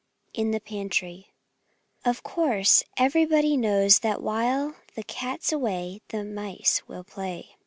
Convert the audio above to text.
XXI IN THE PANTRY OF COURSE everybody knows that while the cat's away the mice will play.